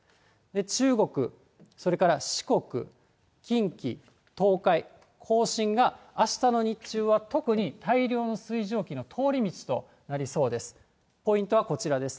中国、それから四国、近畿、東海、甲信があしたの日中は特に大量の水蒸気の通り道となりそうです。